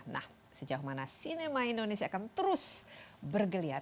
nah sejauh mana sinema indonesia akan terus bergeliat